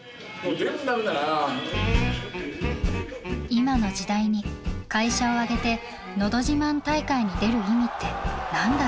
今の時代に会社を挙げてのど自慢大会に出る意味って何だろう？